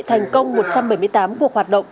thành công một trăm bảy mươi tám cuộc hoạt động